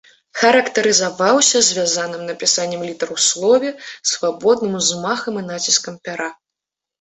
Характарызаваўся звязаным напісаннем літар у слове, свабодным узмахам і націскам пяра.